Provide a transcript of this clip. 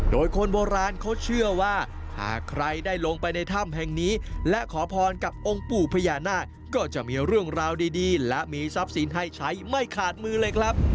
โดยคนโบราณเขาเชื่อว่าหากใครได้ลงไปในถ้ำแห่งนี้และขอพรกับองค์ปู่พญานาคก็จะมีเรื่องราวดีและมีทรัพย์สินให้ใช้ไม่ขาดมือเลยครับ